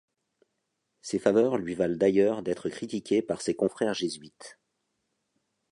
Ces faveurs lui valent d’ailleurs d'être critiqué par ses confrères jésuites.